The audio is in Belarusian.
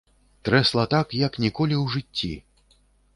Трэсла так, як ніколі ў жыцці.